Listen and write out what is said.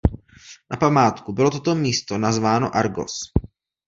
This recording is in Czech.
Na památku bylo toto místo nazváno Argos.